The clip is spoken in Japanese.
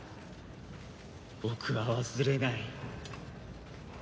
僕は忘れない。